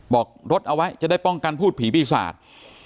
บอกรดเอาไว้จะได้ป้องกันพูดผีพี่พี่ศาสตร์